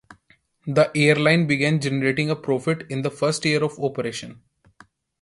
The airline began generating a profit in the first year of operation.